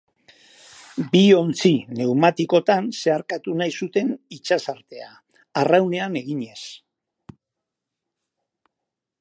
Bi ontzi pneumatikotan zeharkatu nahi zuten itsasartea, arraunean eginez.